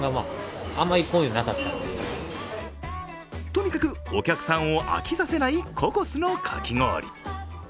とにかくお客さんを飽きさせないココスのかき氷。